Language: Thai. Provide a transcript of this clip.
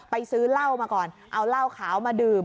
ซื้อเหล้ามาก่อนเอาเหล้าขาวมาดื่ม